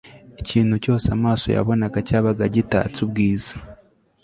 Ikintu cyose amaso yabonaga cyabaga gitatse ubwiza